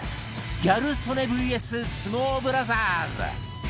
ギャル曽根 ＶＳ 相撲ブラザーズ